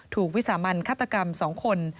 ถูกวิสามาร์นฆาตกรรม๒คน